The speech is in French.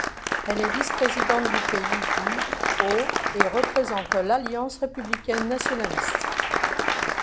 Elle est vice-présidente du pays du au et représente l'Alliance républicaine nationaliste.